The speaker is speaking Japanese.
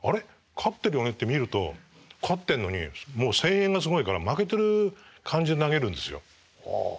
勝ってるよね？」って見ると勝ってんのにもう声援がすごいから負けてる感じで投げるんですよ。